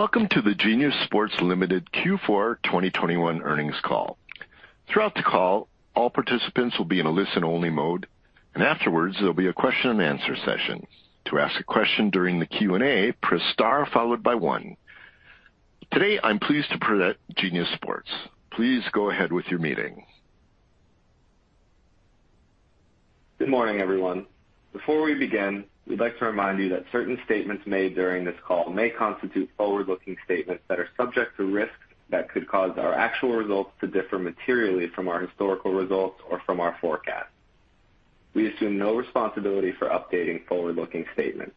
Welcome to the Genius Sports Limited Q4 2021 earnings call. Throughout the call, all participants will be in a listen-only mode, and afterwards there'll be a question and answer session. To ask a question during the Q&A, press star followed by one. Today, I'm pleased to present Genius Sports. Please go ahead with your meeting. Good morning, everyone. Before we begin, we'd like to remind you that certain statements made during this call may constitute forward-looking statements that are subject to risks that could cause our actual results to differ materially from our historical results or from our forecast. We assume no responsibility for updating forward-looking statements.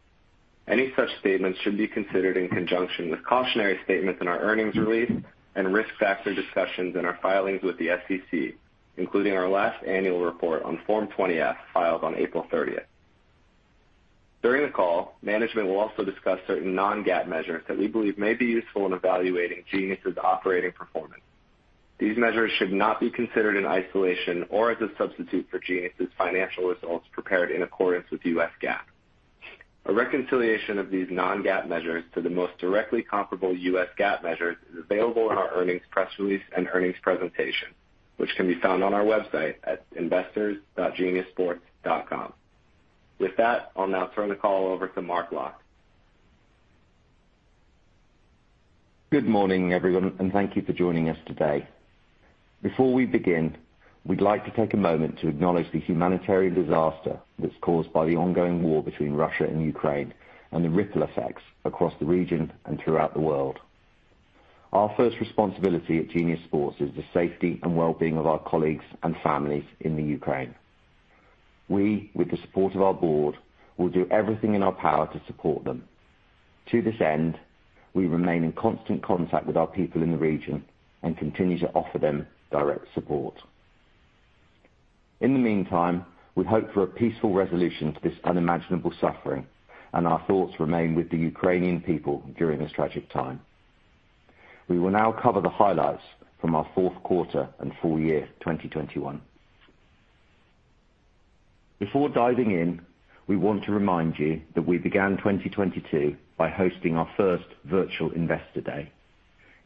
Any such statements should be considered in conjunction with cautionary statements in our earnings release and risk factor discussions in our filings with the SEC, including our last annual report on Form 20-F filed on April thirtieth. During the call, management will also discuss certain Non-GAAP measures that we believe may be useful in evaluating Genius's operating performance. These measures should not be considered in isolation or as a substitute for Genius's financial results prepared in accordance with U.S. GAAP. A reconciliation of these Non-GAAP measures to the most directly comparable U.S. GAAP measures is available in our earnings press release and earnings presentation, which can be found on our website at investors.geniussports.com. With that, I'll now turn the call over to Mark Locke. Good morning, everyone, and thank you for joining us today. Before we begin, we'd like to take a moment to acknowledge the humanitarian disaster that's caused by the ongoing war between Russia and Ukraine and the ripple effects across the region and throughout the world. Our first responsibility at Genius Sports is the safety and well-being of our colleagues and families in the Ukraine. We, with the support of our board, will do everything in our power to support them. To this end, we remain in constant contact with our people in the region and continue to offer them direct support. In the meantime, we hope for a peaceful resolution to this unimaginable suffering, and our thoughts remain with the Ukrainian people during this tragic time. We will now cover the highlights from our fourth quarter and full year 2021. Before diving in, we want to remind you that we began 2022 by hosting our first virtual Investor Day.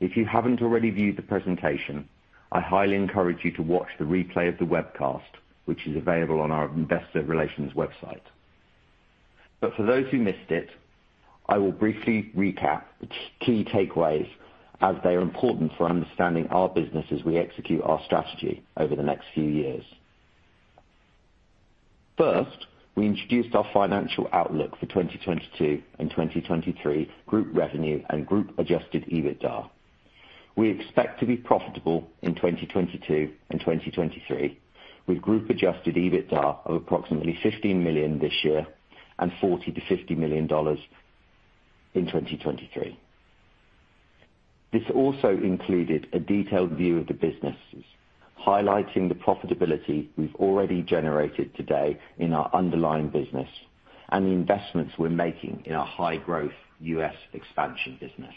If you haven't already viewed the presentation, I highly encourage you to watch the replay of the webcast, which is available on our investor relations website. For those who missed it, I will briefly recap the key takeaways as they are important for understanding our business as we execute our strategy over the next few years. First, we introduced our financial outlook for 2022 and 2023 group revenue and group adjusted EBITDA. We expect to be profitable in 2022 and 2023, with group adjusted EBITDA of approximately $15 million this year and $40 million-$50 million in 2023. This also included a detailed view of the businesses, highlighting the profitability we've already generated today in our underlying business and the investments we're making in our high-growth U.S. expansion business.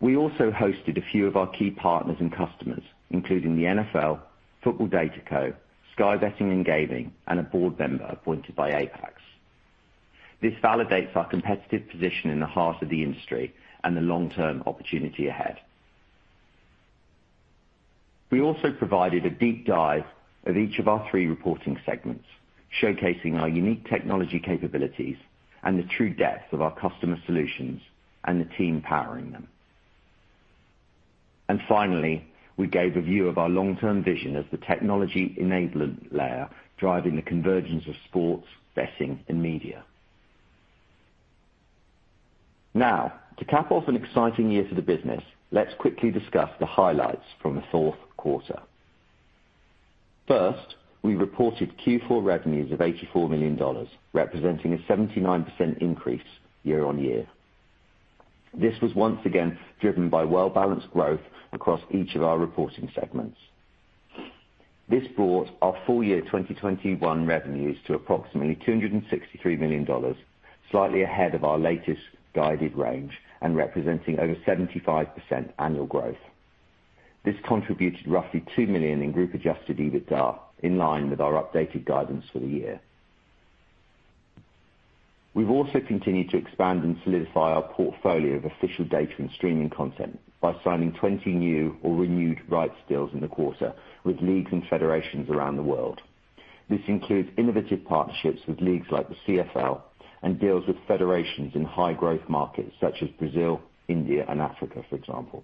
We also hosted a few of our key partners and customers, including the NFL, Football DataCo, Sky Betting and Gaming, and a board member appointed by Apax. This validates our competitive position in the heart of the industry and the long-term opportunity ahead. We also provided a deep dive of each of our three reporting segments, showcasing our unique technology capabilities and the true depth of our customer solutions and the team powering them. Finally, we gave a view of our long-term vision as the technology enablement layer, driving the convergence of sports, betting, and media. Now, to cap off an exciting year for the business, let's quickly discuss the highlights from the fourth quarter. First, we reported Q4 revenues of $84 million, representing a 79% increase year-on-year. This was once again driven by well-balanced growth across each of our reporting segments. This brought our full year 2021 revenues to approximately $263 million, slightly ahead of our latest guided range and representing over 75% annual growth. This contributed roughly $2 million in group-adjusted EBITDA, in line with our updated guidance for the year. We've also continued to expand and solidify our portfolio of official data and streaming content by signing 20 new or renewed rights deals in the quarter with leagues and federations around the world. This includes innovative partnerships with leagues like the CFL and deals with federations in high-growth markets such as Brazil, India, and Africa, for example.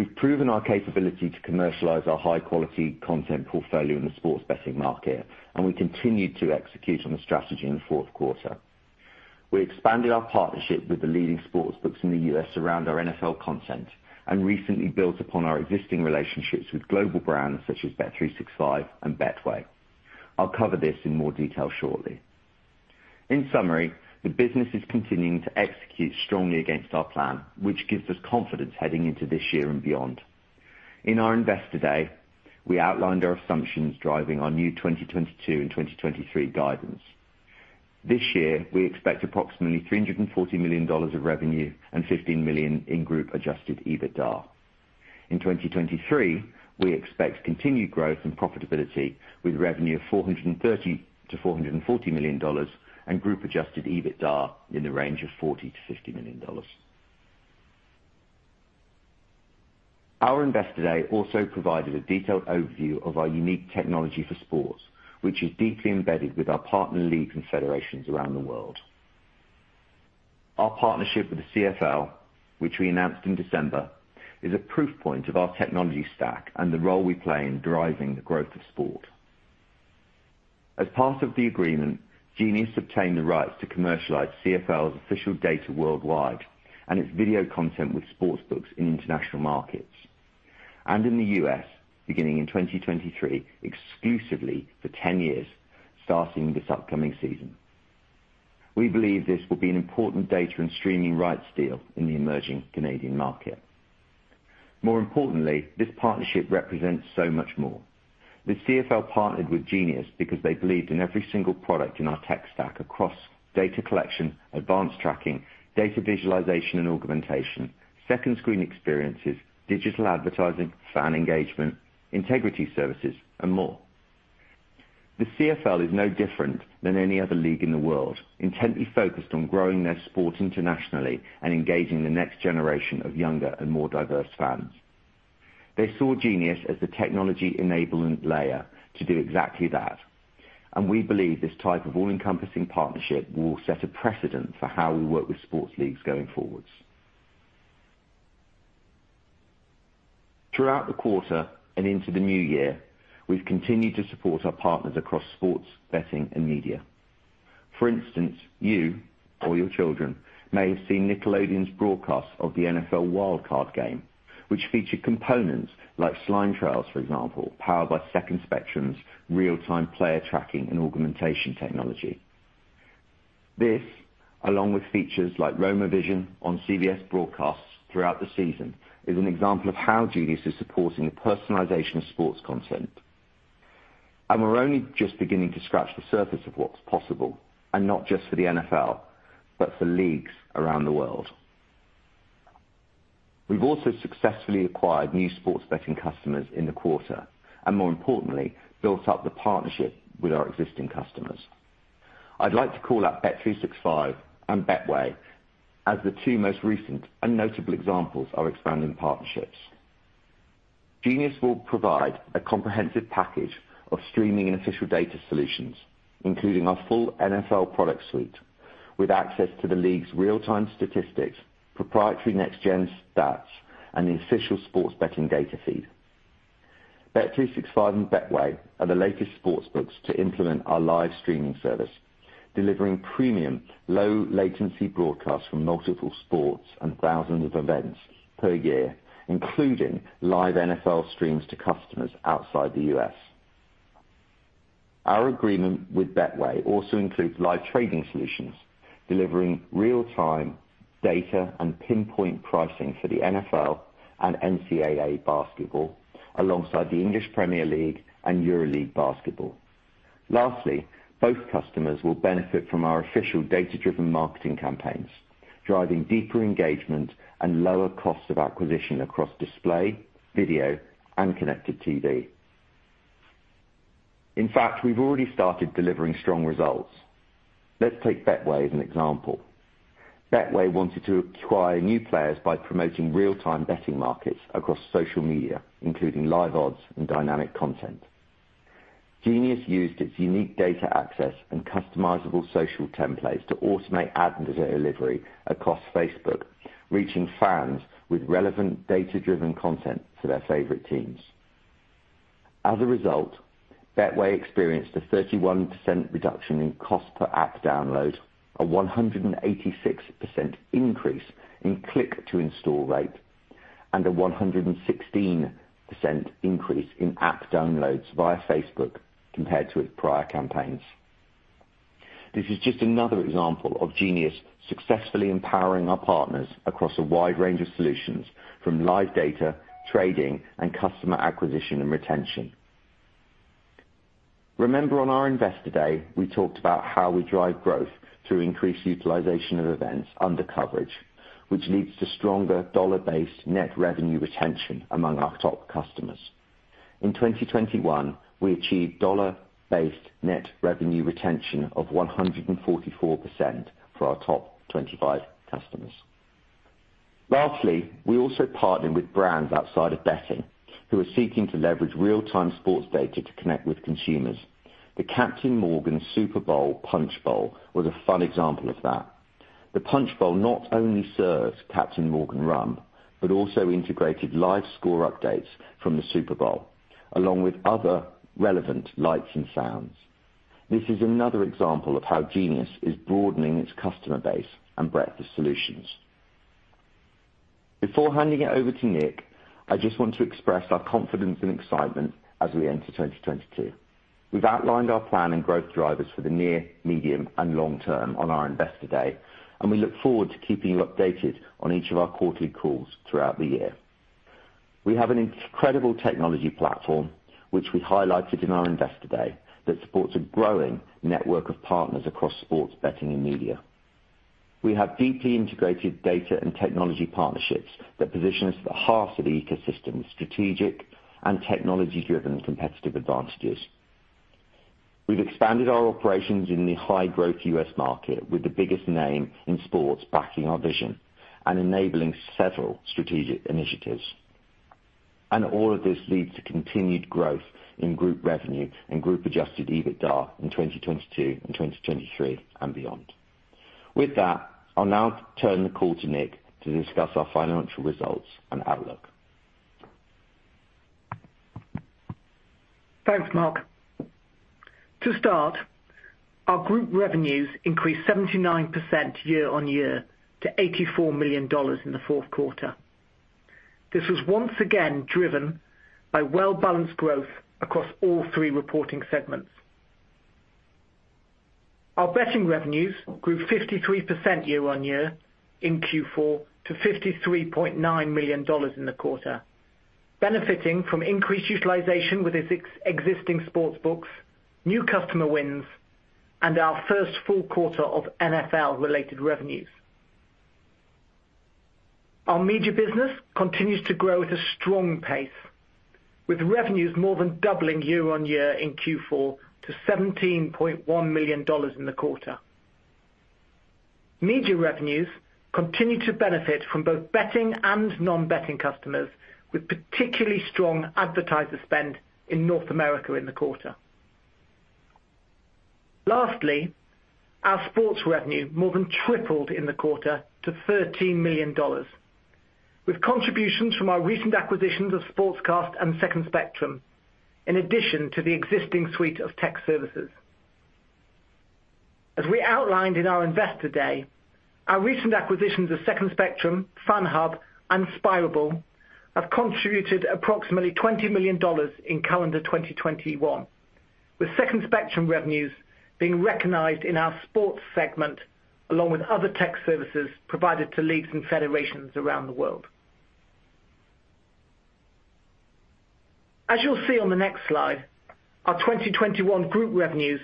We've proven our capability to commercialize our high-quality content portfolio in the sports betting market, and we continued to execute on the strategy in the fourth quarter. We expanded our partnership with the leading sports books in the U.S. around our NFL content and recently built upon our existing relationships with global brands such as bet365 and Betway. I'll cover this in more detail shortly. In summary, the business is continuing to execute strongly against our plan, which gives us confidence heading into this year and beyond. In our Investor Day, we outlined our assumptions driving our new 2022 and 2023 guidance. This year, we expect approximately $340 million of revenue and $15 million in group-adjusted EBITDA. In 2023, we expect continued growth and profitability with revenue of $430 million-$440 million and group-adjusted EBITDA in the range of $40 million-$50 million. Our Investor Day also provided a detailed overview of our unique technology for sports, which is deeply embedded with our partner leagues and federations around the world. Our partnership with the CFL, which we announced in December, is a proof point of our technology stack and the role we play in driving the growth of sport. As part of the agreement, Genius obtained the rights to commercialize CFL's official data worldwide and its video content with sports books in international markets, and in the U.S. beginning in 2023, exclusively for 10 years starting this upcoming season. We believe this will be an important data and streaming rights deal in the emerging Canadian market. More importantly, this partnership represents so much more. The CFL partnered with Genius because they believed in every single product in our tech stack across data collection, advanced tracking, data visualization and augmentation, second screen experiences, digital advertising, fan engagement, integrity services, and more. The CFL is no different than any other league in the world, intently focused on growing their sport internationally and engaging the next generation of younger and more diverse fans. They saw Genius as the technology-enabling layer to do exactly that, and we believe this type of all-encompassing partnership will set a precedent for how we work with sports leagues going forwards. Throughout the quarter and into the new year, we've continued to support our partners across sports, betting, and media. For instance, you or your children may have seen Nickelodeon's broadcast of the NFL Wild Card game, which featured components like slime trails, for example, powered by Second Spectrum's real-time player tracking and augmentation technology. This, along with features like RomoVision on CBS broadcasts throughout the season, is an example of how Genius is supporting the personalization of sports content. We're only just beginning to scratch the surface of what's possible, and not just for the NFL, but for leagues around the world. We've also successfully acquired new sports betting customers in the quarter, and more importantly, built up the partnership with our existing customers. I'd like to call out bet365 and Betway as the two most recent and notable examples of expanding partnerships. Genius will provide a comprehensive package of streaming and official data solutions, including our full NFL product suite, with access to the league's real-time statistics, proprietary Next Gen Stats, and the official sports betting data feed. bet365 and Betway are the latest sportsbooks to implement our live streaming service, delivering premium low latency broadcasts from multiple sports and thousands of events per year, including live NFL streams to customers outside the U.S. Our agreement with Betway also includes live trading solutions, delivering real-time data and pinpoint pricing for the NFL and NCAA basketball, alongside the English Premier League and EuroLeague basketball. Lastly, both customers will benefit from our official data-driven marketing campaigns, driving deeper engagement and lower costs of acquisition across display, video, and connected TV. In fact, we've already started delivering strong results. Let's take Betway as an example. Betway wanted to acquire new players by promoting real-time betting markets across social media, including live odds and dynamic content. Genius used its unique data access and customizable social templates to automate ad delivery across Facebook, reaching fans with relevant data-driven content for their favorite teams. As a result, Betway experienced a 31% reduction in cost per app download, a 186% increase in click-to-install rate, and a 116% increase in app downloads via Facebook compared to its prior campaigns. This is just another example of Genius successfully empowering our partners across a wide range of solutions from live data, trading, and customer acquisition and retention. Remember on our Investor Day, we talked about how we drive growth through increased utilization of events under coverage, which leads to stronger dollar-based net revenue retention among our top customers. In 2021, we achieved dollar-based net revenue retention of 144% for our top 25 customers. Lastly, we also partnered with brands outside of betting who are seeking to leverage real-time sports data to connect with consumers. The Captain Morgan Super Bowl Punch Bowl was a fun example of that. The punch bowl not only serves Captain Morgan Rum, but also integrated live score updates from the Super Bowl, along with other relevant lights and sounds. This is another example of how Genius is broadening its customer base and breadth of solutions. Before handing it over to Nick, I just want to express our confidence and excitement as we enter 2022. We've outlined our plan and growth drivers for the near, medium, and long term on our Investor Day, and we look forward to keeping you updated on each of our quarterly calls throughout the year. We have an incredible technology platform which we highlighted in our Investor Day that supports a growing network of partners across sports betting and media. We have deeply integrated data and technology partnerships that position us at the heart of the ecosystem's strategic and technology-driven competitive advantages. We've expanded our operations in the high-growth U.S. market with the biggest name in sports backing our vision and enabling several strategic initiatives. All of this leads to continued growth in group revenue and group-adjusted EBITDA in 2022 and 2023 and beyond. With that, I'll now turn the call to Nick to discuss our financial results and outlook. Thanks, Mark. To start, our group revenues increased 79% year-over-year to $84 million in the fourth quarter. This was once again driven by well-balanced growth across all three reporting segments. Our betting revenues grew 53% year-over-year in Q4 to $53.9 million in the quarter, benefiting from increased utilization with existing sports books, new customer wins, and our first full quarter of NFL-related revenues. Our media business continues to grow at a strong pace, with revenues more than doubling year-over-year in Q4 to $17.1 million in the quarter. Media revenues continue to benefit from both betting and non-betting customers, with particularly strong advertiser spend in North America in the quarter. Lastly, our sports revenue more than tripled in the quarter to $13 million, with contributions from our recent acquisitions of Sportzcast and Second Spectrum, in addition to the existing suite of tech services. As we outlined in our Investor Day, our recent acquisitions of Second Spectrum, FanHub, and Spirable have contributed approximately $20 million in calendar 2021, with Second Spectrum revenues being recognized in our sports segment, along with other tech services provided to leagues and federations around the world. As you'll see on the next slide, our 2021 group revenues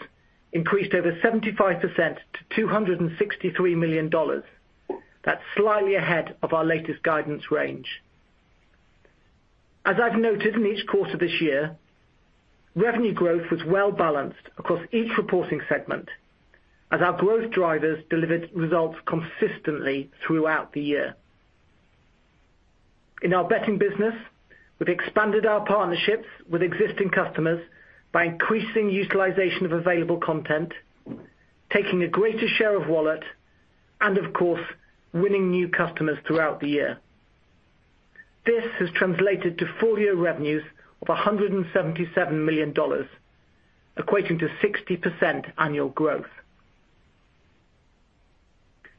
increased over 75% to $263 million. That's slightly ahead of our latest guidance range. As I've noted in each quarter this year, revenue growth was well-balanced across each reporting segment as our growth drivers delivered results consistently throughout the year. In our betting business, we've expanded our partnerships with existing customers by increasing utilization of available content, taking a greater share of wallet, and of course, winning new customers throughout the year. This has translated to full-year revenues of $177 million, equating to 60% annual growth.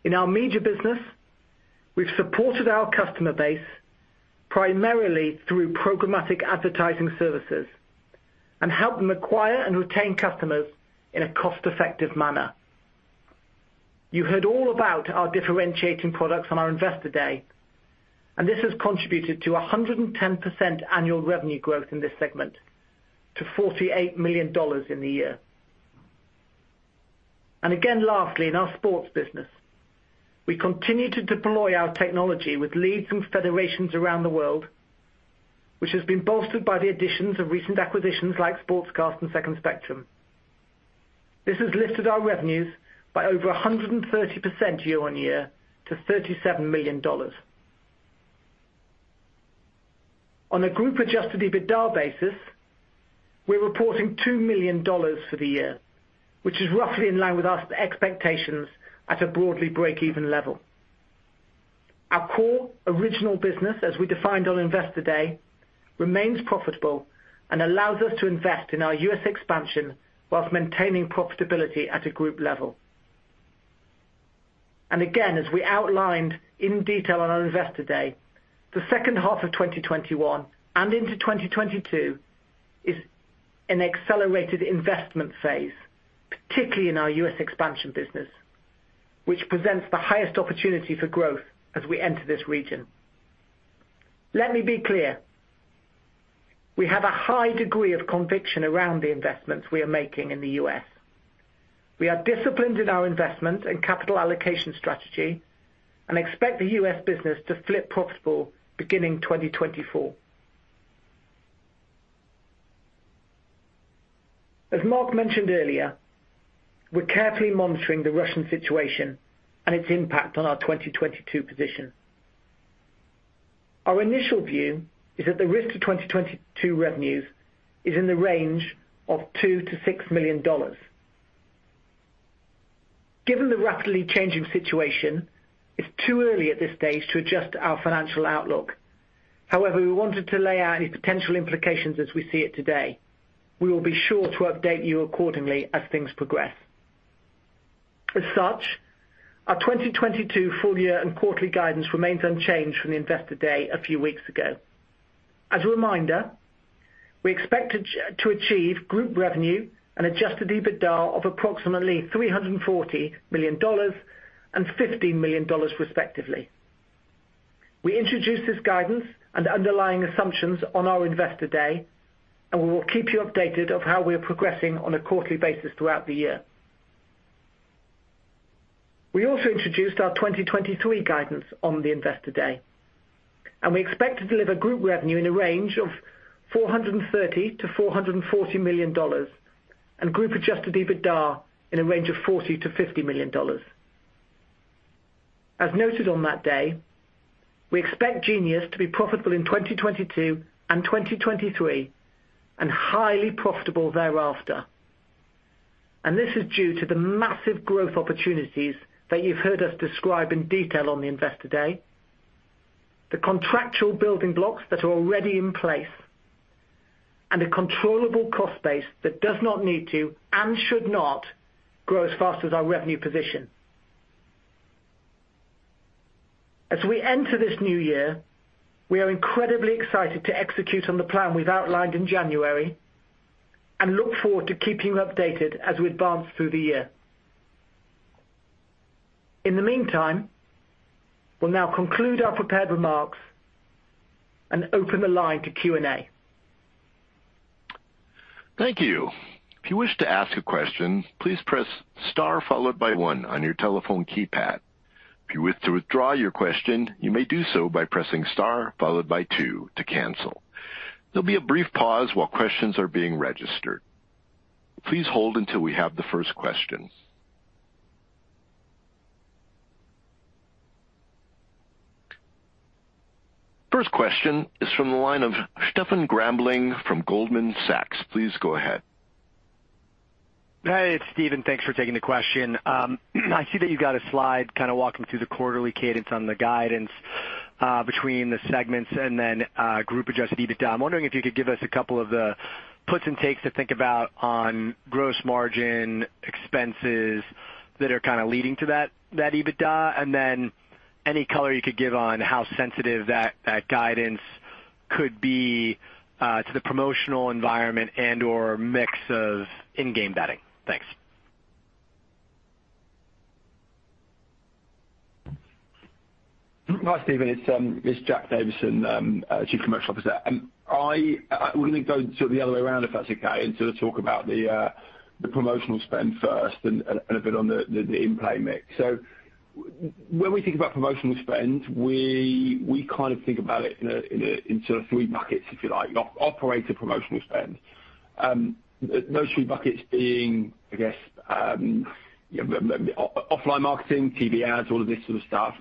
In our media business, we've supported our customer base primarily through programmatic advertising services and helped them acquire and retain customers in a cost-effective manner. You heard all about our differentiating products on our Investor Day, and this has contributed to 110% annual revenue growth in this segment to $48 million in the year. Again, lastly, in our sports business, we continue to deploy our technology with leagues and federations around the world, which has been bolstered by the additions of recent acquisitions like Sportzcast and Second Spectrum. This has lifted our revenues by over 130% year-on-year to $37 million. On a group-adjusted EBITDA basis, we're reporting $2 million for the year, which is roughly in line with our expectations at a broadly break-even level. Our core original business, as we defined on Investor Day, remains profitable and allows us to invest in our U.S. expansion while maintaining profitability at a group level. Again, as we outlined in detail on our Investor Day, the second half of 2021 and into 2022 is an accelerated investment phase, particularly in our U.S. expansion business, which presents the highest opportunity for growth as we enter this region. Let me be clear. We have a high degree of conviction around the investments we are making in the U.S. We are disciplined in our investment and capital allocation strategy and expect the US business to flip profitable beginning 2024. As Mark mentioned earlier, we're carefully monitoring the Russian situation and its impact on our 2022 position. Our initial view is that the risk to 2022 revenues is in the range of $2 million-$6 million. Given the rapidly changing situation, it's too early at this stage to adjust our financial outlook. However, we wanted to lay out any potential implications as we see it today. We will be sure to update you accordingly as things progress. As such, our 2022 full year and quarterly guidance remains unchanged from the Investor Day a few weeks ago. As a reminder, we expect to achieve group revenue and adjusted EBITDA of approximately $340 million and $15 million, respectively. We introduced this guidance and underlying assumptions on our investor day, and we will keep you updated of how we are progressing on a quarterly basis throughout the year. We also introduced our 2023 guidance on the investor day, and we expect to deliver group revenue in a range of $430 million-$440 million and group adjusted EBITDA in a range of $40 million-$50 million. As noted on that day, we expect Genius to be profitable in 2022 and 2023 and highly profitable thereafter. This is due to the massive growth opportunities that you've heard us describe in detail on the investor day, the contractual building blocks that are already in place, and a controllable cost base that does not need to and should not grow as fast as our revenue position. As we enter this new year, we are incredibly excited to execute on the plan we've outlined in January and look forward to keeping you updated as we advance through the year. In the meantime, we'll now conclude our prepared remarks and open the line to Q&A. First question is from the line of Stephen Grambling from Goldman Sachs. Please go ahead. Hey, it's Stephen. Thanks for taking the question. I see that you've got a slide kind of walking through the quarterly cadence on the guidance between the segments and then group-adjusted EBITDA. I'm wondering if you could give us a couple of the puts and takes to think about on gross margin expenses that are kind of leading to that EBITDA, and then any color you could give on how sensitive that guidance could be to the promotional environment and/or mix of in-game betting. Thanks. Hi, Steven, it's Jack Davison, Chief Commercial Officer. We're gonna go sort of the other way around, if that's okay, and sort of talk about the promotional spend first and a bit on the in-play mix. When we think about promotional spend, we kind of think about it in sort of three buckets, if you like, operator promotional spend. Those three buckets being, I guess, offline marketing, TV ads, all of this sort of stuff.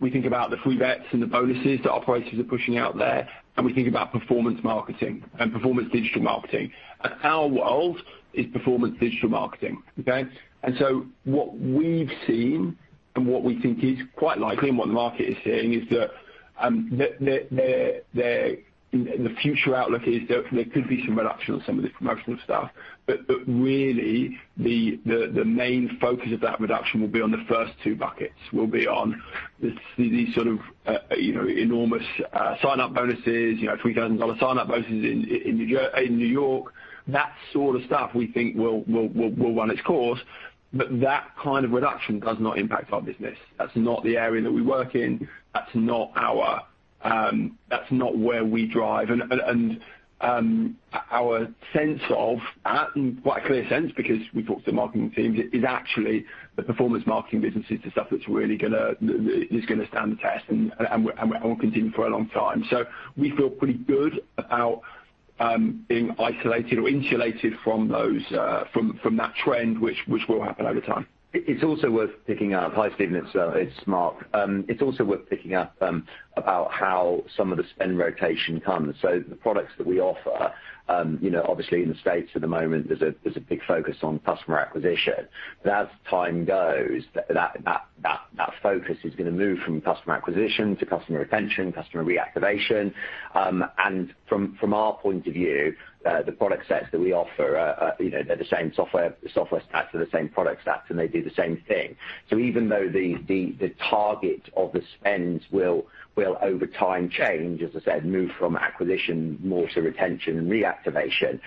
We think about the free bets and the bonuses that operators are pushing out there, and we think about performance marketing and performance digital marketing. Our world is performance digital marketing, okay? What we've seen and what we think is quite likely and what the market is seeing is that the future outlook is there could be some reduction on some of this promotional stuff. But really the main focus of that reduction will be on the first two buckets, the sort of you know enormous sign-up bonuses, you know $3,000 sign-up bonuses in New York. That sort of stuff we think will run its course, but that kind of reduction does not impact our business. That's not the area that we work in. That's not where we drive. Quite a clear sense because we talk to the marketing teams is actually the performance marketing business is the stuff that's really gonna stand the test and will continue for a long time. We feel pretty good about being isolated or insulated from that trend which will happen over time. It's also worth picking up. Hi, Steven, it's Mark. It's also worth picking up about how some of the spend rotation comes. The products that we offer, you know, obviously in the States at the moment, there's a big focus on customer acquisition. As time goes, that focus is gonna move from customer acquisition to customer retention, customer reactivation. From our point of view, the product sets that we offer, you know, they're the same software stacks, they're the same product stacks, and they do the same thing. Even though the target of the spend will over time change, as I said, move from acquisition more to retention and reactivation,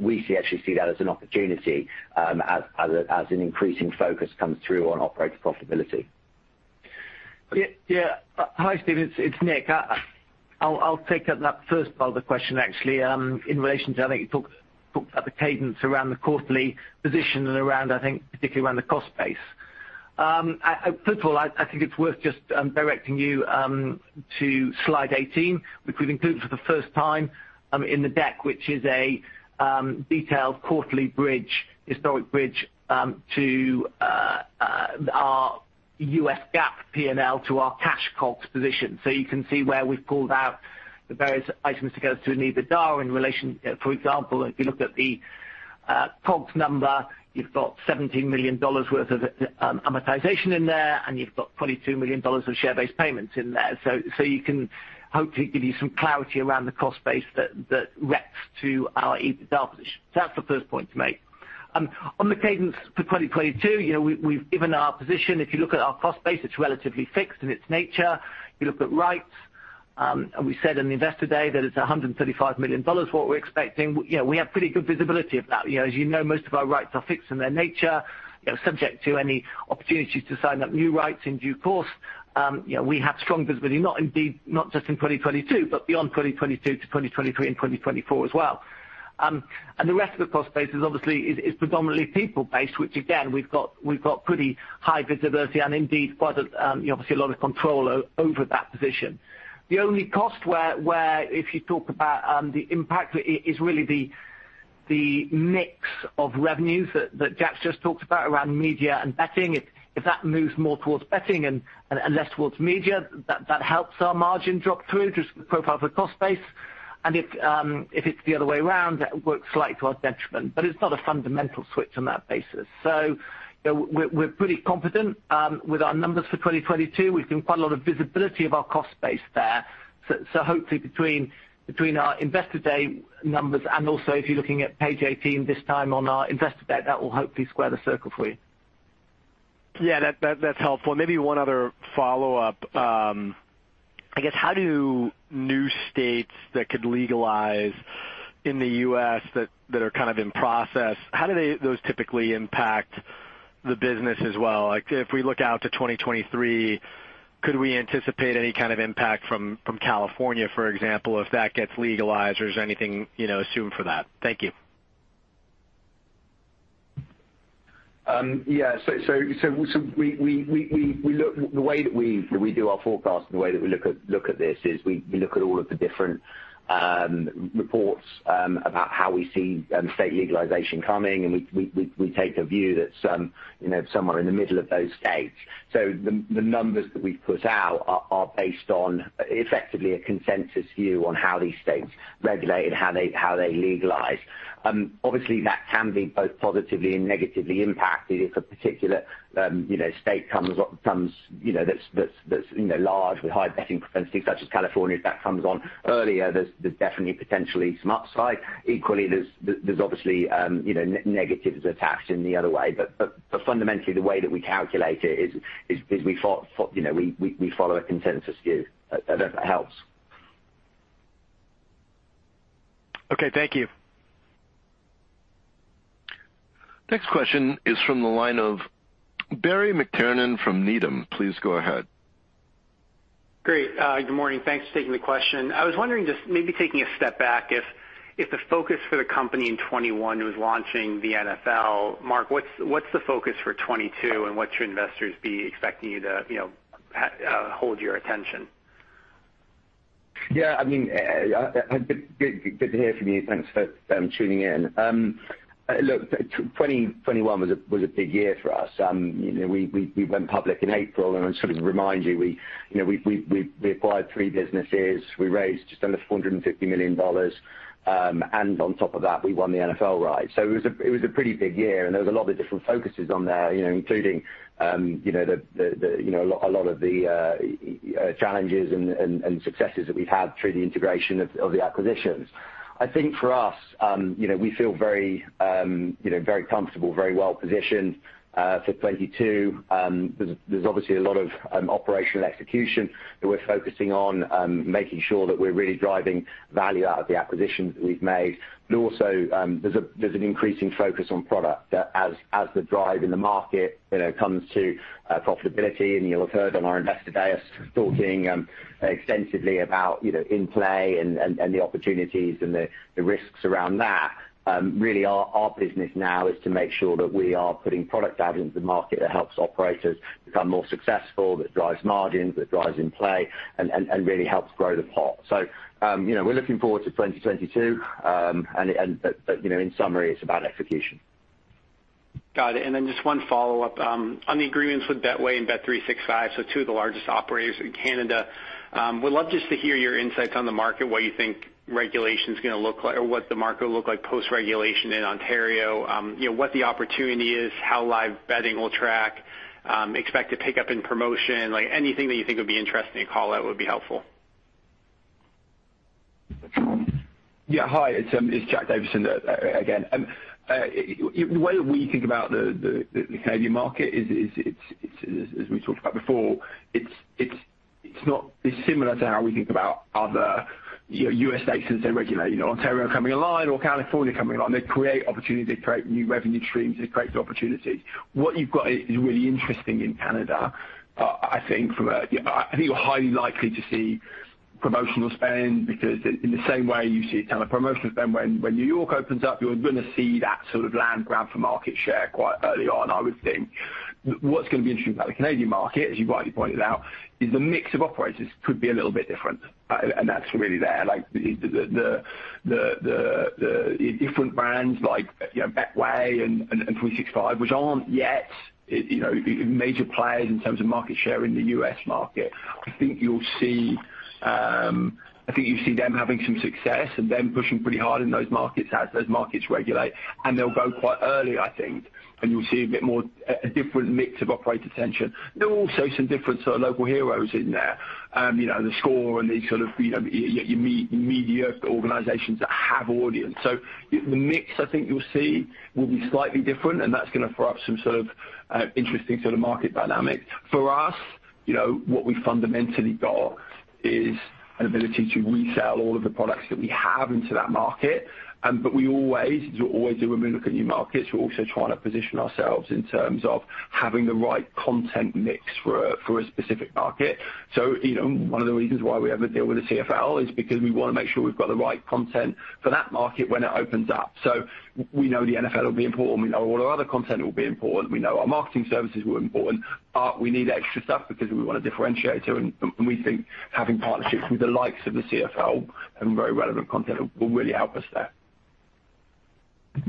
we actually see that as an opportunity, as an increasing focus comes through on operator profitability. Yeah. Hi, Stephen, it's Nick. I'll take up that first part of the question, actually, in relation to, I think you talked about the cadence around the quarterly position and, I think, particularly around the cost base. I think it's worth just directing you to slide 18, which we've included for the first time in the deck, which is a detailed quarterly bridge, historic bridge to our U.S. GAAP P&L to our cash costs position. So you can see where we've pulled out the various items together to EBITDA in relation, for example, if you looked at the COGS number, you've got $17 million worth of amortization in there, and you've got $22 million of share-based payments in there. This can hopefully give you some clarity around the cost base that relates to our EBITDA position. That's the first point to make. On the cadence for 2022, you know, we've given our position. If you look at our cost base, it's relatively fixed in its nature. You look at rights We said in the Investor Day that it's $135 million, what we're expecting. You know, we have pretty good visibility of that. You know, as you know, most of our rights are fixed in their nature, you know, subject to any opportunities to sign up new rights in due course. You know, we have strong visibility, not just in 2022, but beyond 2022 to 2023 and 2024 as well. The rest of the cost base is obviously predominantly people-based, which again, we've got pretty high visibility and indeed quite, you know, obviously a lot of control over that position. The only cost where if you talk about the impact is really the mix of revenues that Jack just talked about around media and betting. If that moves more towards betting and less towards media, that helps our margin flow through just the profile for cost base. If it's the other way around, that works slightly to our detriment, but it's not a fundamental switch on that basis. You know, we're pretty confident with our numbers for 2022. We've done quite a lot of visibility of our cost base there. Hopefully between our Investor Day numbers and also if you're looking at page 18 this time on our investor deck, that will hopefully square the circle for you. Yeah. That’s helpful. Maybe one other follow-up. I guess how do new states that could legalize in the U.S. that are kind of in process, how do those typically impact the business as well? Like if we look out to 2023, could we anticipate any kind of impact from California, for example, if that gets legalized or is there anything, you know, assumed for that? Thank you. Yeah. The way that we do our forecast and the way that we look at this is we look at all of the different reports about how we see state legalization coming, and we take a view that some, you know, somewhere in the middle of those states. The numbers that we put out are based on effectively a consensus view on how these states regulate and how they legalize. Obviously that can be both positively and negatively impacted if a particular, you know, state comes, you know, that's large with high betting propensity such as California, if that comes on earlier, there's definitely potentially some upside. Equally, there's obviously, you know, negatives attached in the other way. Fundamentally the way that we calculate it is, you know, we follow a consensus view if that helps. Okay, thank you. Next question is from the line of Bernie McTernan from Needham. Please go ahead. Great. Good morning. Thanks for taking the question. I was wondering, just maybe taking a step back, if the focus for the company in 2021 was launching the NFL, Mark, what's the focus for 2022 and what should investors be expecting you to, you know, hold your attention? Yeah, I mean, good to hear from you. Thanks for tuning in. Look, 2021 was a big year for us. You know, we went public in April, and just sort of to remind you know, we acquired three businesses. We raised just under $450 million. And on top of that, we won the NFL rights. So it was a pretty big year, and there was a lot of different focuses there, you know, including, you know, a lot of the challenges and successes that we've had through the integration of the acquisitions. I think for us, you know, we feel very comfortable, very well positioned for 2022. There's obviously a lot of operational execution that we're focusing on, making sure that we're really driving value out of the acquisitions that we've made. Also, there's an increasing focus on product, as the drive in the market, you know, comes to profitability. You'll have heard on our Investor Day us talking extensively about, you know, in-play and the opportunities and the risks around that. Really our business now is to make sure that we are putting product out into the market that helps operators become more successful, that drives margins, that drives in play and really helps grow the pot. You know, we're looking forward to 2022. You know, in summary, it's about execution. Got it. Then just one follow-up, on the agreements with Betway and bet365, so two of the largest operators in Canada. Would love just to hear your insights on the market, what you think regulation's gonna look like or what the market will look like post-regulation in Ontario, you know, what the opportunity is, how live betting will track, expected pickup in promotion. Like anything that you think would be interesting to call out would be helpful. Yeah, hi. It's Jack Davison again. The way that we think about the Canadian market is it's similar to how we think about other, you know, U.S. states as they regulate, you know, Ontario coming online or California coming online. They create opportunities, they create new revenue streams, they create opportunities. What you've got is really interesting in Canada. I think you're highly likely to see promotional spend because in the same way you see a ton of promotional spend when New York opens up, you're gonna see that sort of land grab for market share quite early on, I would think. What's gonna be interesting about the Canadian market, as you rightly pointed out, is the mix of operators could be a little bit different. That's really there. Like the different brands like, you know, Betway and bet365, which aren't yet, you know, major players in terms of market share in the U.S. market. I think you see them having some success and them pushing pretty hard in those markets as those markets regulate, and they'll go quite early, I think, and you'll see a bit more, a different mix of operator attention. There are also some different sort of local heroes in there, you know, theScore and these sort of, you know, your media organizations that have audience. The mix I think you'll see will be slightly different, and that's gonna throw up some sort of interesting sort of market dynamics. For us- You know, what we fundamentally got is an ability to resell all of the products that we have into that market. But as we always do when we look at new markets, we're also trying to position ourselves in terms of having the right content mix for a specific market. You know, one of the reasons why we have a deal with the CFL is because we wanna make sure we've got the right content for that market when it opens up. We know the NFL will be important. We know all our other content will be important. We know our marketing services were important. We need extra stuff because we wanna differentiate, and we think having partnerships with the likes of the CFL and very relevant content will really help us there.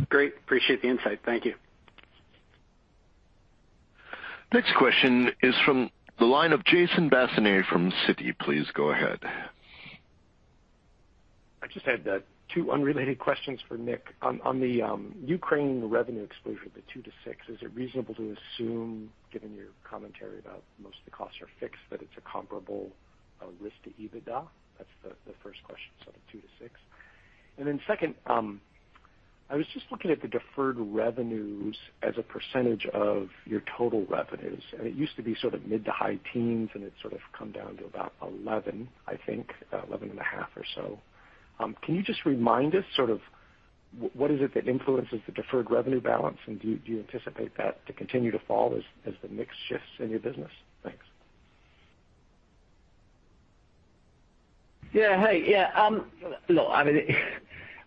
Great. Appreciate the insight. Thank you. Next question is from the line of Jason Bazinet from Citi. Please go ahead. I just had two unrelated questions for Nick. On the Ukraine revenue exclusion, the $2-$6, is it reasonable to assume, given your commentary about most of the costs are fixed, that it's a comparable risk to EBITDA? That's the first question. The $2-$6. Second, I was just looking at the deferred revenues as a percentage of your total revenues, and it used to be sort of mid- to high teens, and it's sort of come down to about 11%, I think, 11.5% or so. Can you just remind us sort of what is it that influences the deferred revenue balance, and do you anticipate that to continue to fall as the mix shifts in your business? Thanks. Yeah. Hey. Yeah, look, I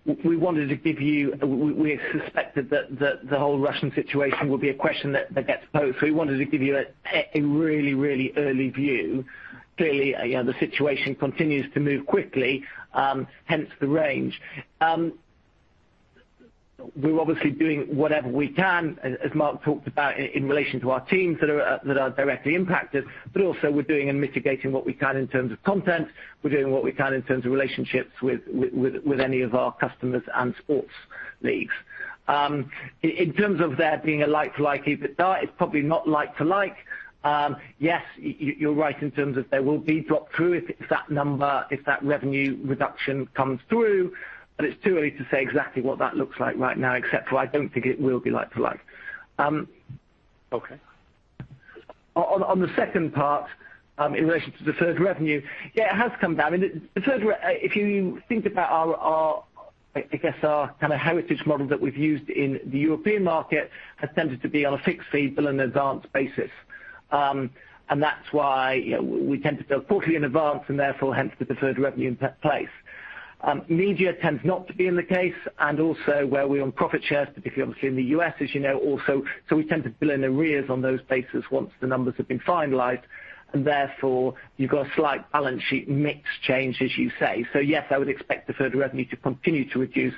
mean, we wanted to give you. We suspected that the whole Russian situation would be a question that gets posed, so we wanted to give you a really early view. Clearly, you know, the situation continues to move quickly, hence the range. We're obviously doing whatever we can, as Mark talked about in relation to our teams that are directly impacted, but also we're doing and mitigating what we can in terms of content. We're doing what we can in terms of relationships with any of our customers and sports leagues. In terms of there being a like-for-like EBITDA, it's probably not like-for-like. Yes, you're right in terms of there will be drop through if that revenue reduction comes through, but it's too early to say exactly what that looks like right now, except for I don't think it will be like to like. Okay. On the second part, in relation to deferred revenue, yeah, it has come down. If you think about our I guess our kinda heritage model that we've used in the European market has tended to be on a fixed fee bill in advance basis. That's why, you know, we tend to bill quarterly in advance, and therefore hence the deferred revenue in place. Media tends not to be in that case, and also where we're on profit shares, particularly obviously in the U.S., as you say also, so we tend to bill in arrears on those basis once the numbers have been finalized, and therefore, you've got a slight balance sheet mix change, as you say. Yes, I would expect deferred revenue to continue to reduce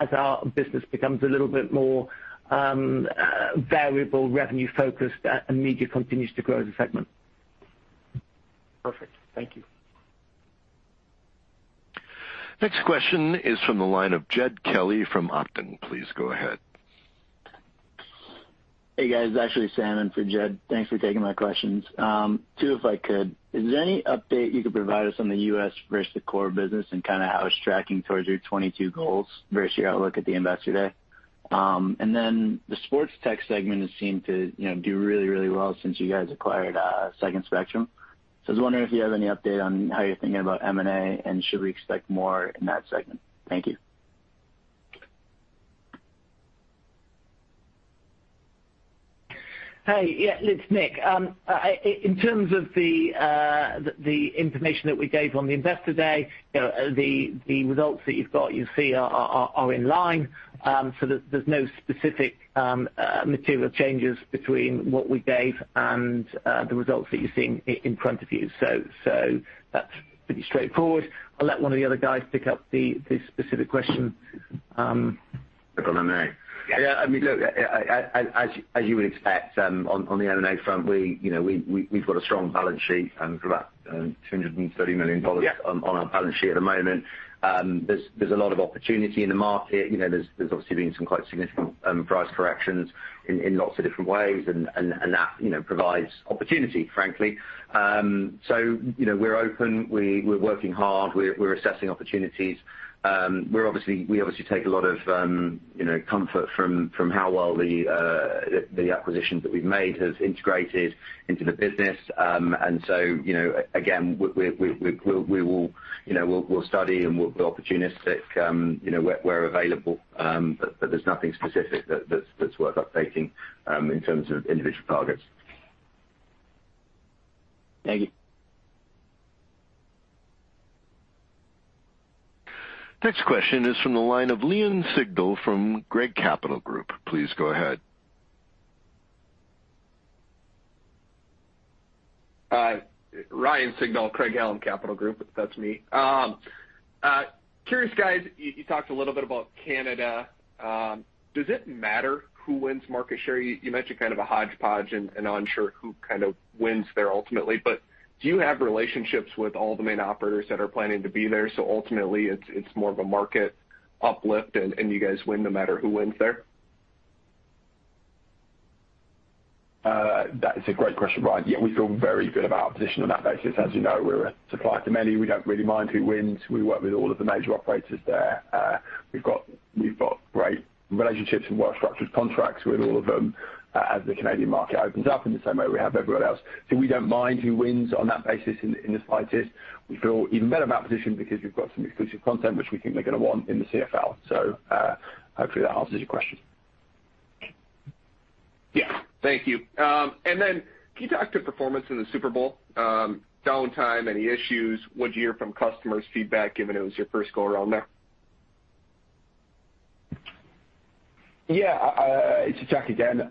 as our business becomes a little bit more variable revenue-focused, and media continues to grow as a segment. Perfect. Thank you. Next question is from the line of Jed Kelly from Oppenheimer. Please go ahead. Hey, guys. Actually, Sam in for Jed. Thanks for taking my questions. Two, if I could. Is there any update you could provide us on the U.S. versus the core business and kinda how it's tracking towards your 2022 goals versus your outlook at the Investor Day? And then the sports tech segment has seemed to, you know, do really, really well since you guys acquired Second Spectrum. So I was wondering if you have any update on how you're thinking about M&A, and should we expect more in that segment? Thank you. Hey. Yeah, it's Nick. In terms of the information that we gave on the Investor Day, you know, the results that you've got, you see are in line. So there's no specific material changes between what we gave and the results that you're seeing in front of you. So that's pretty straightforward. I'll let one of the other guys pick up the specific question. On M&A. Yeah. Yeah. I mean, look, as you would expect, on the M&A front, you know, we've got a strong balance sheet and about $230 million. Yeah On our balance sheet at the moment. There's a lot of opportunity in the market. You know, there's obviously been some quite significant price corrections in lots of different ways, and that provides opportunity, frankly. So, you know, we're open. We're working hard. We're assessing opportunities. We're obviously we obviously take a lot of comfort from how well the acquisitions that we've made has integrated into the business. You know, again, we'll study and we'll be opportunistic, you know, where available, but there's nothing specific that's worth updating in terms of individual targets. Thank you. Next question is from the line of Ryan Sigdahl from Craig-Hallum Capital Group. Please go ahead. Ryan Sigdahl, Craig-Hallum Capital Group. That's me. Curious, guys, you talked a little bit about Canada. Does it matter who wins market share? You mentioned kind of a hodgepodge and unsure who kind of wins there ultimately. Do you have relationships with all the main operators that are planning to be there, so ultimately, it's more of a market uplift, and you guys win no matter who wins there? That is a great question, Ryan Sigdahl. Yeah, we feel very good about our position on that basis. As you know, we're a supplier to many. We don't really mind who wins. We work with all of the major operators there. We've got great relationships and well-structured contracts with all of them as the Canadian market opens up in the same way we have everyone else. We don't mind who wins on that basis in this fight. We feel even better about position because we've got some exclusive content which we think they're gonna want in the CFL. Hopefully that answers your question. Yeah. Thank you. Can you talk to performance in the Super Bowl, downtime, any issues? What'd you hear from customers feedback, given it was your first go around there? It's Jack again.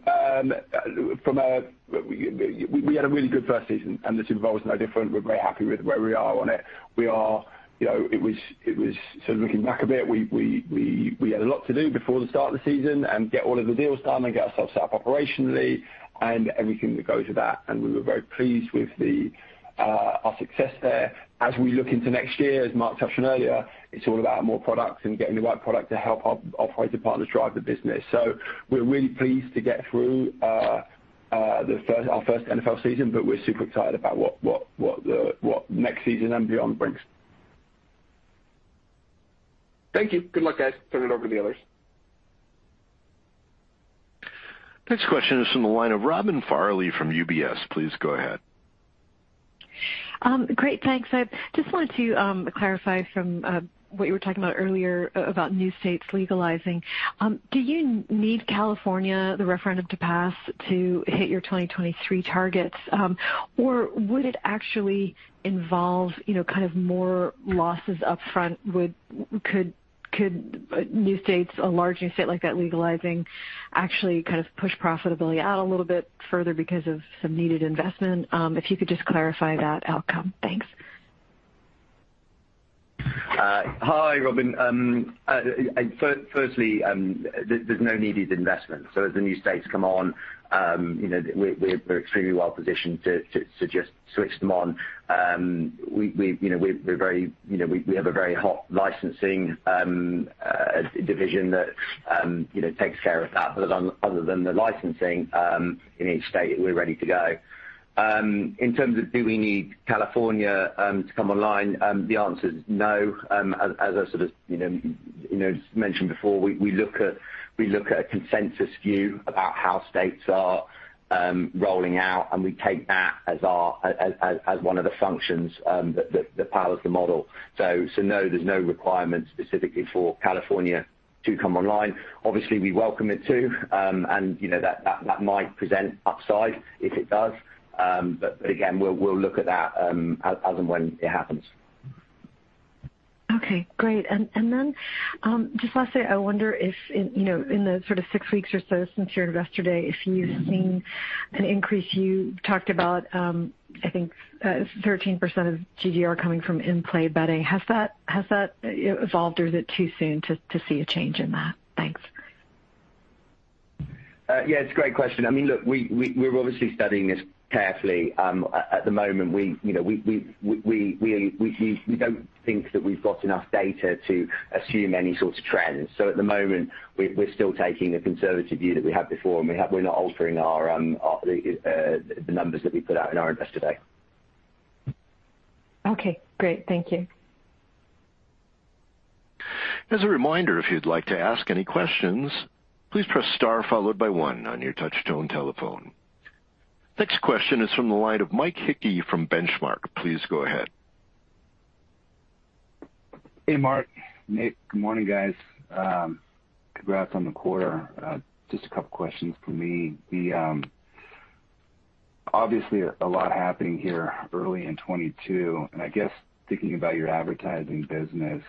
We had a really good first season, and the Super Bowl is no different. We're very happy with where we are on it. You know, it was sort of looking back a bit. We had a lot to do before the start of the season and get all of the deals done and get ourselves set up operationally and everything that goes with that. We were very pleased with our success there. As we look into next year, as Mark touched on earlier, it's all about more products and getting the right product to help our operator partners drive the business. We're really pleased to get through our first NFL season, but we're super excited about what next season and beyond brings. Thank you. Good luck, guys. Turn it over to the others. Next question is from the line of Robin Farley from UBS. Please go ahead. Great. Thanks. I just wanted to clarify from what you were talking about earlier about new states legalizing. Do you need California, the referendum to pass to hit your 2023 targets? Or would it actually involve, you know, kind of more losses up front? Could new states, a large new state like that legalizing actually kind of push profitability out a little bit further because of some needed investment? If you could just clarify that outcome. Thanks. Hi, Robin. Firstly, there's no needed investment. As the new states come on, you know, we're extremely well positioned to just switch them on. You know, we have a very hot licensing division that you know, takes care of that. Other than the licensing in each state, we're ready to go. In terms of do we need California to come online? The answer is no. As I sort of you know, mentioned before, we look at a consensus view about how states are rolling out, and we take that as our, as one of the functions that powers the model. No, there's no requirement specifically for California to come online. Obviously, we welcome it, too. You know that might present upside if it does. Again, we'll look at that as and when it happens. Okay, great. Just lastly, I wonder if in you know in the sort of six weeks or so since your Investor Day, if you've seen an increase. You talked about, I think, 13% of GGR coming from in-play betting. Has that evolved or is it too soon to see a change in that? Thanks. Yeah, it's a great question. I mean, look, we're obviously studying this carefully. At the moment, you know, we don't think that we've got enough data to assume any sorts of trends. At the moment we're still taking the conservative view that we had before, and we're not altering the numbers that we put out in our Investor Day. Okay, great. Thank you. As a reminder, if you'd like to ask any questions, please press star followed by one on your touch tone telephone. Next question is from the line of Mike Hickey from Benchmark. Please go ahead. Hey, Mark, Nick. Good morning, guys. Congrats on the quarter. Just a couple questions from me. Obviously a lot happening here early in 2022, and I guess thinking about your advertising business,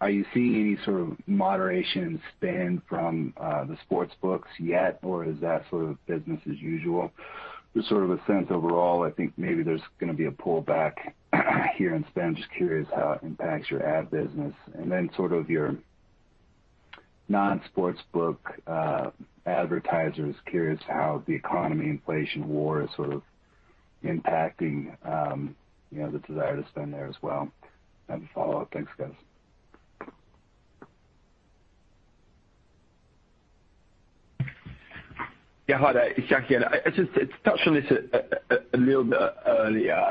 are you seeing any sort of moderation spend from the sports books yet, or is that sort of business as usual? There's sort of a sense overall, I think maybe there's gonna be a pullback here in spend. Just curious how it impacts your ad business and then sort of your non-sports book advertisers. Curious how the economy, inflation, war is sort of impacting the desire to spend there as well. I have a follow-up. Thanks, guys. Yeah, hi there. It's Jack here. I just touched on this a little bit earlier.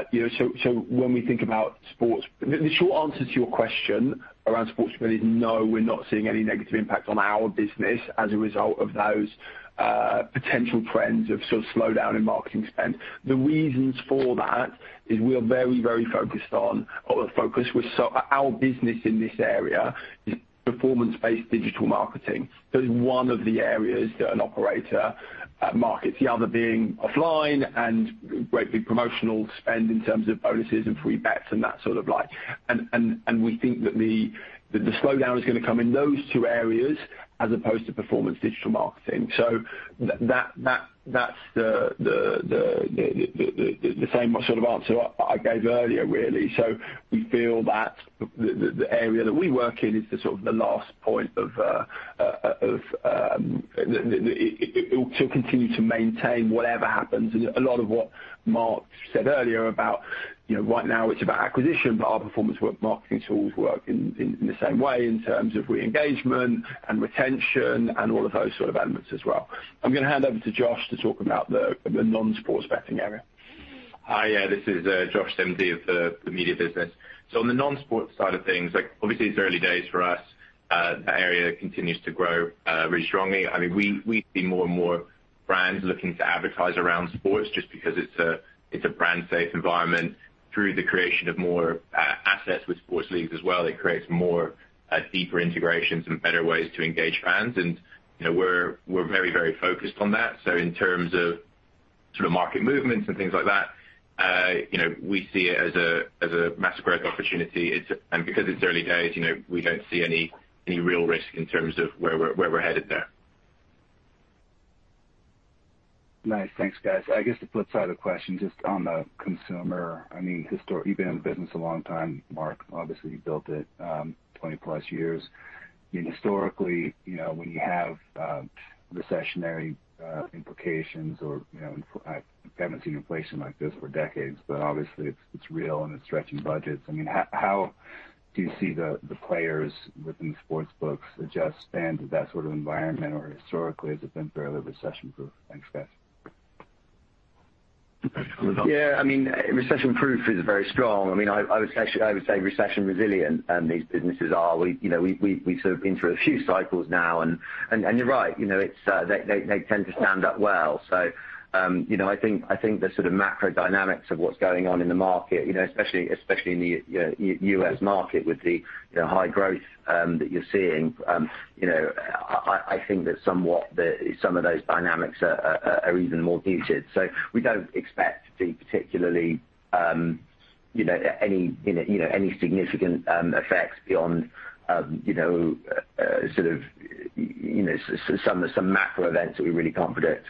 When we think about sports, the short answer to your question around sports betting, no, we're not seeing any negative impact on our business as a result of those potential trends of sort of slowdown in marketing spend. The reasons for that is we are very focused on our business in this area is performance-based digital marketing. That is one of the areas that an operator markets, the other being offline and largely promotional spend in terms of bonuses and free bets and that sort of. We think that the slowdown is gonna come in those two areas as opposed to performance digital marketing. That's the same sort of answer I gave earlier really. We feel that the area that we work in is sort of the last point of it will continue to maintain whatever happens. A lot of what Mark said earlier about, you know, right now it's about acquisition, but our performance marketing tools work in the same way in terms of re-engagement and retention and all of those sort of elements as well. I'm gonna hand over to Josh to talk about the non-sports betting area. Hi, this is Josh Linforth of the media business. On the non-sports side of things, like, obviously it's early days for us. That area continues to grow really strongly. I mean, we see more and more brands looking to advertise around sports just because it's a brand safe environment through the creation of more assets with sports leagues as well. It creates more deeper integrations and better ways to engage fans and, you know, we're very focused on that. In terms of sort of market movements and things like that, you know, we see it as a massive growth opportunity because it's early days, you know, we don't see any real risk in terms of where we're headed there. Nice. Thanks, guys. I guess the flip side of the question, just on the consumer, I mean, you've been in business a long time, Mark. Obviously, you built it, 20-plus years. I mean, historically, you know, when you have recessionary implications or, you know, I haven't seen inflation like this for decades, but obviously it's real and it's stretching budgets. I mean, how do you see the players within sports books adjust to that sort of environment or historically, has it been fairly recession-proof? Thanks, guys. Yeah, I mean, recession-proof is very strong. I mean, I would actually say recession resilient, these businesses are. We, you know, sort of been through a few cycles now and you're right, you know, they tend to stand up well. I think the sort of macro dynamics of what's going on in the market, you know, especially in the U.S. market with the high growth that you're seeing, you know, I think that some of those dynamics are even more muted. We don't expect to be particularly, you know, any significant effects beyond, you know, sort of some macro events that we really can't predict.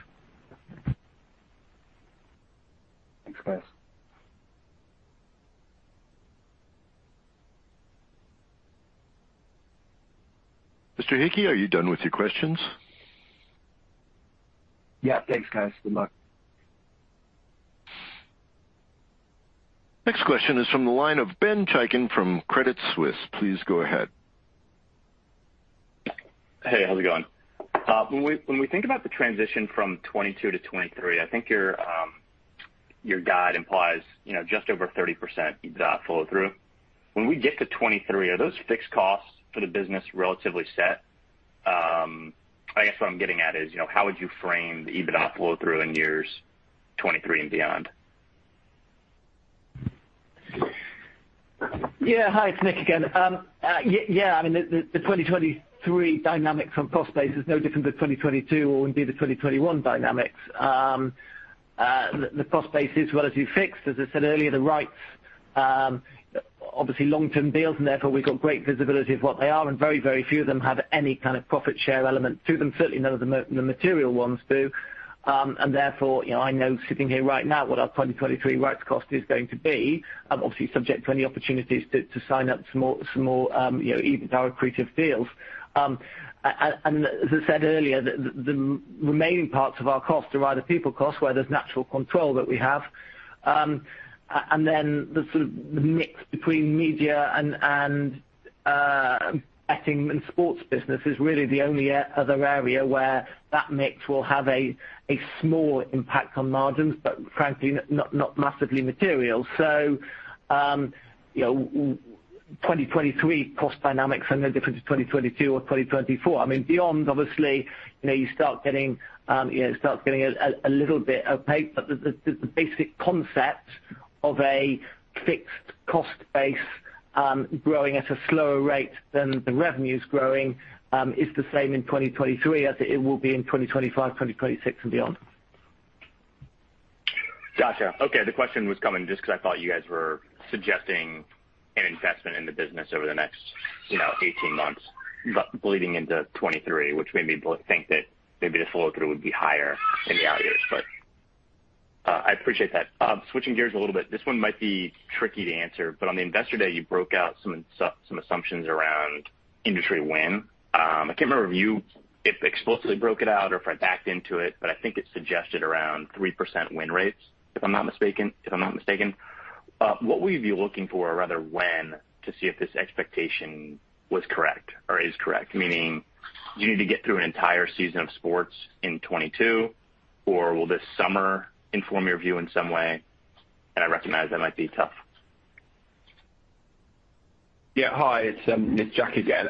Thanks, guys. Mr. Hickey, are you done with your questions? Yeah. Thanks, guys. Good luck. Next question is from the line of Ben Chaiken from Credit Suisse. Please go ahead. Hey, how's it going? When we think about the transition from 2022 to 2023, I think your guide implies, you know, just over 30% follow through. When we get to 2023, are those fixed costs for the business relatively set? I guess what I'm getting at is, you know, how would you frame the EBITDA flow through in years 2023 and beyond? Yeah. Hi, it's Nick again. Yeah, I mean the 2023 dynamics from cost base is no different than 2022 or indeed the 2021 dynamics. The cost base is relatively fixed. As I said earlier, the rights obviously long-term deals, and therefore we've got great visibility of what they are, and very, very few of them have any kind of profit share element to them. Certainly none of the material ones do. And therefore, you know, I know sitting here right now what our 2023 rights cost is going to be, obviously subject to any opportunities to sign up some more, you know, our accretive deals. And as I said earlier, the remaining parts of our costs are either people costs where there's natural control that we have. Then the sort of mix between media and betting and sports business is really the only other area where that mix will have a small impact on margins, but frankly not massively material. You know, 2023 cost dynamics are no different to 2022 or 2024. I mean, beyond obviously, you know, you start getting, you know, it starts getting a little bit opaque. The basic concept of a fixed cost base growing at a slower rate than the revenues growing is the same in 2023 as it will be in 2025, 2026 and beyond. Gotcha. Okay. The question was coming just because I thought you guys were suggesting an investment in the business over the next, you know, 18 months bleeding into 2023, which made me think that maybe the follow through would be higher in the out years. I appreciate that. Switching gears a little bit, this one might be tricky to answer, but on the Investor Day, you broke out some assumptions around industry win. I can't remember if you explicitly broke it out or if I backed into it, but I think it suggested around 3% win rates, if I'm not mistaken. What will you be looking for, or rather when to see if this expectation was correct or is correct? Meaning, do you need to get through an entire season of sports in 2022, or will this summer inform your view in some way? I recognize that might be tough. Yeah. Hi, it's Jack again.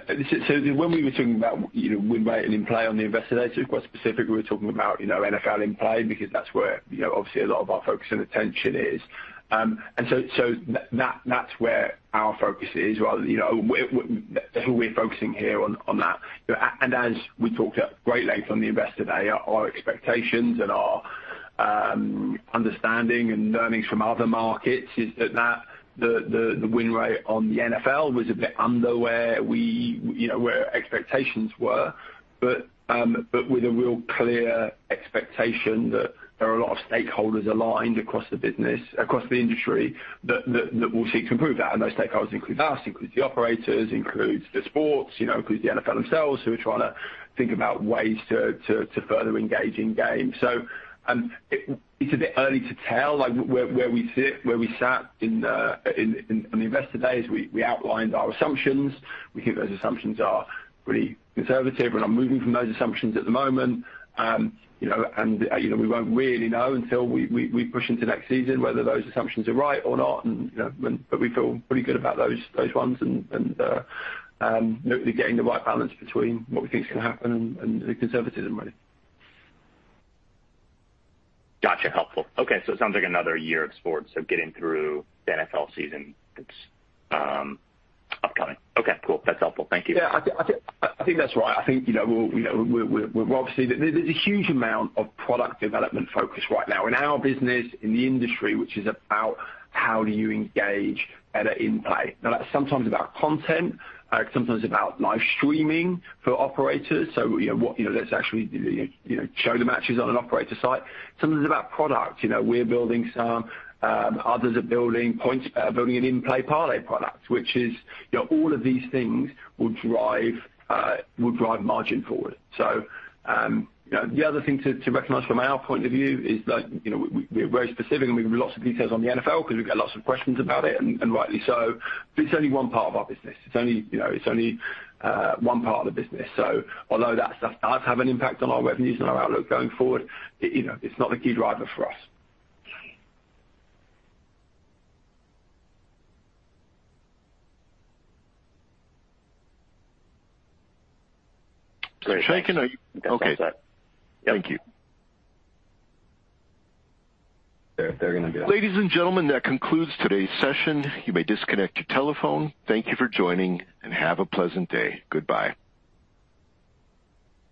When we were talking about, you know, win rate and in-play on the Investor Day, quite specifically we were talking about, you know, NFL in-play because that's where, you know, obviously a lot of our focus and attention is. That's where our focus is. While, you know, we're focusing here on that. As we talked at great length on the Investor Day, our expectations and our understanding and learnings from other markets is that the win rate on the NFL was a bit under where we, you know, where expectations were. With a real clear expectation that there are a lot of stakeholders aligned across the business, across the industry that we'll seek to improve that. Those stakeholders include us, includes the operators, includes the sports, you know, includes the NFL themselves, who are trying to think about ways to further engage in game. It's a bit early to tell where we sit in the Investor Days. We outlined our assumptions. We think those assumptions are pretty conservative, and I'm moving from those assumptions at the moment. We won't really know until we push into next season whether those assumptions are right or not. We feel pretty good about those ones and getting the right balance between what we think is going to happen and the conservatism really. Gotcha. Helpful. Okay. It sounds like another year of sports. Getting through the NFL season that's upcoming. Okay, cool. That's helpful. Thank you. Yeah, I think that's right. I think, you know, we're obviously. There's a huge amount of product development focus right now in our business, in the industry, which is about how do you engage better in-play. Now, that's sometimes about content, sometimes about live streaming for operators. You know what, you know, let's actually, you know, show the matches on an operator site. Sometimes it's about product. You know, we're building some, others are building points, building an in-play parlay product, which is, you know, all of these things will drive margin forward. You know, the other thing to recognize from our point of view is that, you know, we're very specific and we give lots of details on the NFL because we get lots of questions about it, and rightly so. It's only one part of our business. It's only, you know, one part of the business. Although that stuff does have an impact on our revenues and our outlook going forward, you know, it's not the key driver for us. Great. Chaiken, are you- That's all set. Okay. Thank you. They're gonna do that. Ladies and gentlemen, that concludes today's session. You may disconnect your telephone. Thank you for joining, and have a pleasant day. Goodbye.